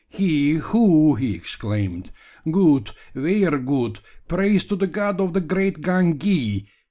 "He ho!" he exclaimed. "Goot! vair goot! praise to the God of the Great Gangee!